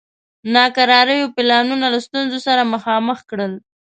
ناکراریو پلانونه له ستونزو سره مخامخ کړل.